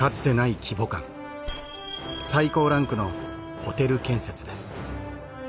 最高ランクのホテル建設です。